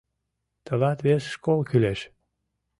Тылат вес школ кӱлеш.